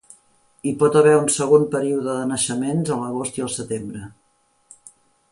Hi pot haver un segon període de naixements a l'agost i el setembre.